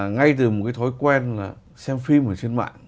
ngay từ một cái thói quen là xem phim ở trên mạng